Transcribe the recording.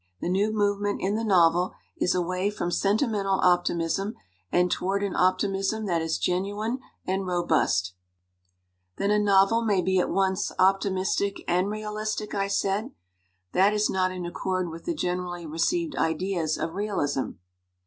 The new movement in the novel is away from sentimental optimism and toward an optimism that is genuine and robust." "Then a novel may be at once optimistic and 232 "EVASIVE IDEALISM' realistic?" I said. "That is not in accord with the generally received ideas of realism.